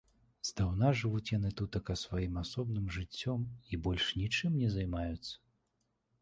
Здаўна жывуць яны тутака сваім асобным жыццём і больш нічым не займаюцца.